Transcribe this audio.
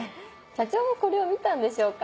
社長もこれを見たんでしょうか。